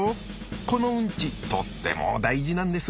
このウンチとっても大事なんです。